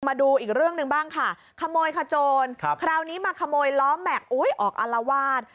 มาดูอีกเรื่องหนึ่งบ้างค่ะขโมยขโจรคราวนี้มาขโมยล้อแม็กซ์ออกอารวาส